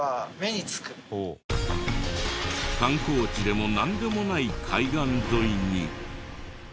観光地でもなんでもない海岸沿いに。